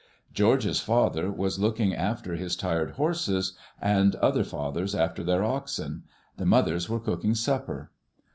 George's father was looking after his tired horses, and other fathers after their oxen. The mothers were cooking supper.